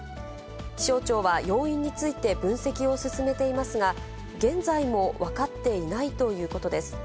気象庁は要因について分析を進めていますが、現在も分かっていないということです。